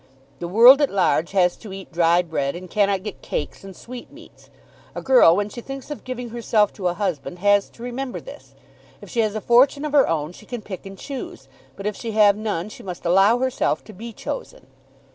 The world at large has to eat dry bread, and cannot get cakes and sweetmeats. A girl, when she thinks of giving herself to a husband, has to remember this. If she has a fortune of her own she can pick and choose, but if she have none she must allow herself to be chosen."